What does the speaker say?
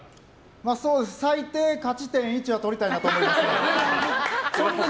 そうですね、最低勝ち点１は取りたいなと思います。